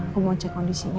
aku mau cek kondisinya